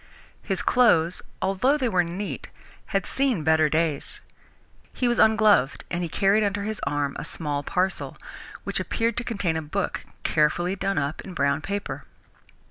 His clothes, although they were neat, had seen better days. He was ungloved, and he carried under his arm a small parcel, which appeared to contain a book, carefully done up in brown paper.